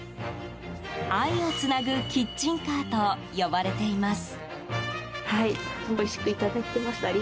愛をつなぐキッチンカーと呼ばれています。